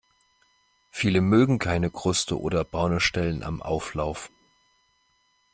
Viele mögen keine Kruste oder braune Stellen am Auflauf.